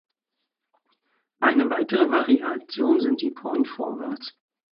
Eine weitere Variation sind die Point Forwards.